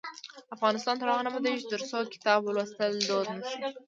افغانستان تر هغو نه ابادیږي، ترڅو کتاب لوستل دود نشي.